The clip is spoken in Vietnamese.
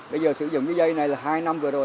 bây giờ sử dụng cái dây này là hai năm vừa rồi